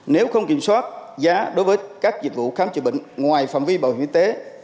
nếu không kiểm soát giá đối với các dịch vụ khám chữa bệnh ngoài phạm vi bảo hiểm y tế